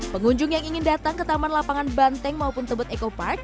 pengunjung yang ingin datang ke taman lapangan banteng maupun tebet eco park